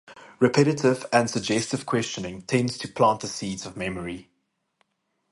Repetitive and suggestive questioning tends to plant the seeds of memory.